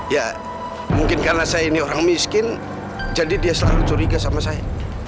ya mungkin karena saya ini orang miskin jadi dia selalu curiga sama saya